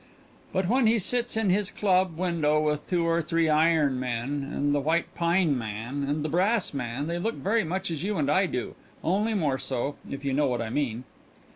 But when he sits in his club window with two or three Iron Men, and the White Pine Man, and the Brass Man, they look very much as you and I do, only more so, if you know what I mean.